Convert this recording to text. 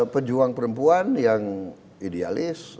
pejuang perempuan yang idealis